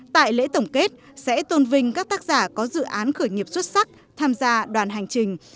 tại lễ tổng kết sẽ tôn vinh các tác giả có dự án khởi nghiệp xuất sắc tham gia đoàn hành trình